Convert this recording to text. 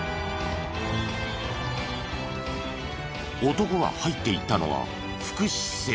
男が入っていったのは福祉施設。